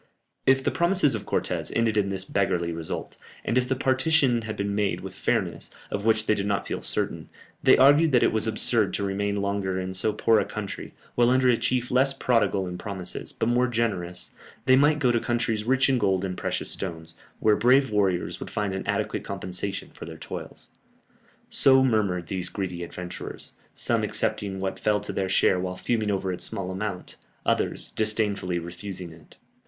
If the promises of Cortès ended in this beggarly result, and if the partition had been made with fairness, of which they did not feel certain, they argued that it was absurd to remain longer in so poor a country, while under a chief less prodigal in promises, but more generous, they might go to countries rich in gold and precious stones, where brave warriors would find an adequate compensation for their toils. So murmured these greedy adventurers; some accepting what fell to their share while fuming over its small amount, others disdainfully refusing it.